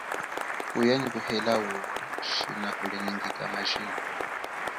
Kuya nyi kuhela uwa, shina kulinyika majina.